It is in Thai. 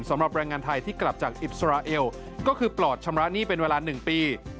สำหรับแรงงานไทยที่กลับจากอิสราเอลก็คือปลอดชำระหนี้เป็นเวลา๑ปี